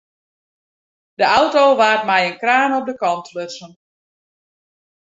De auto waard mei in kraan op de kant lutsen.